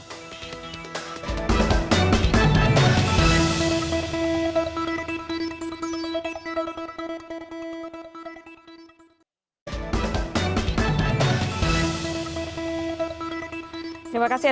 terima kasih anda masih bersama kami di cnn indonesia newsroom